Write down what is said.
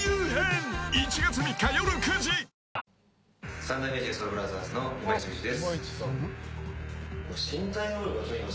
三代目ＪＳＯＵＬＢＲＯＴＨＥＲＳの今市隆二です。